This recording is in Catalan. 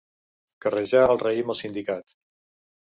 Carrejar el raïm al sindicat.